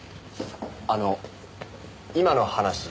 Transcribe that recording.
あの今の話一体。